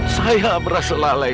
saya merasa lalai